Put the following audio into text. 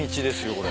これ。